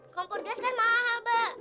kompor gas kan mahal mbak